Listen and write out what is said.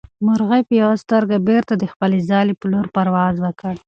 مرغۍ په یوه سترګه بېرته د خپلې ځالې په لور پرواز وکړ.